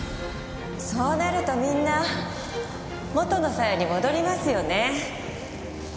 そうなるとみんな元の鞘に戻りますよね。